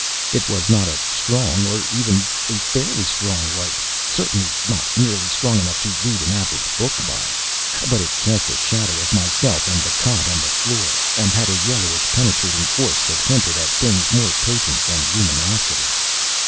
It was not a strong or even a fairly strong light; certainly not nearly strong enough to read an average book by. But it cast a shadow of myself and the cot on the floor, and had a yellowish, penetrating force that hinted at things more potent than luminosity.